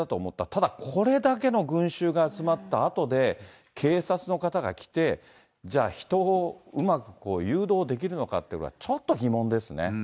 ただ、これだけの群衆が集まったあとで、警察の方が来て、じゃあ人をうまく誘導できるのかっていうのは、ちょっと疑問ですね。